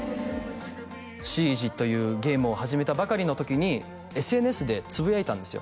「シージ」というゲームを始めたばかりの時にＳＮＳでつぶやいたんですよ